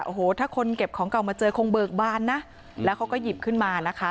โอ้โหถ้าคนเก็บของเก่ามาเจอคงเบิกบานนะแล้วเขาก็หยิบขึ้นมานะคะ